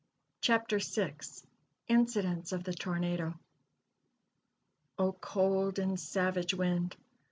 CHAPTER VI INCIDENTS OF THE TORNADO. "O cold and savage wind!